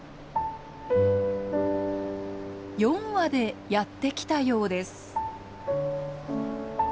４羽でやって来たようです。